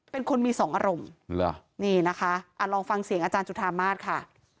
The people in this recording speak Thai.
เป็นคนมีสองอารมณ์นี่นะคะลองฟังเสียงอาจารย์จุธามาศค่ะ